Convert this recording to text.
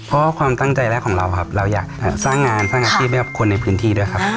เพราะความตั้งใจแรกของเราครับเราอยากสร้างงานสร้างอาชีพให้กับคนในพื้นที่ด้วยครับ